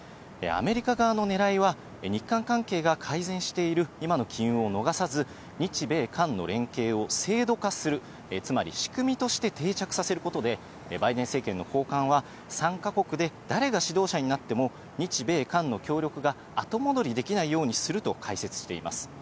アメリカ側の狙いは、日韓関係が改善している今の機運を逃がさず、日米韓の連携を制度化する、つまり仕組みとして定着させることで、バイデン政権の高官は３か国で誰が指導者になっても、日米韓の協力が後戻りできないようにすると解説しています。